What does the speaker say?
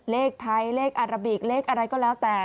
เลขไทยเลขอาราบิกเลขอะไรก็แล้วแต่